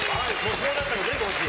こうなったら全部欲しい！